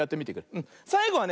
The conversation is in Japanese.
さいごはね